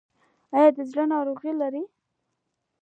ایا د زړه ناروغي لرئ؟